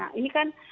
nah ini kan